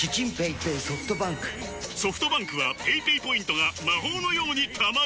ソフトバンクはペイペイポイントが魔法のように貯まる！